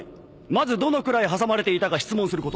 まずどのくらい挟まれていたか質問すること。